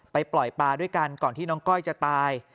ปล่อยปลาด้วยกันก่อนที่น้องก้อยจะตาย